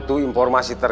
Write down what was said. senang senang bahasa lu